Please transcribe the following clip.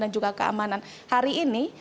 dan juga keamanan hari ini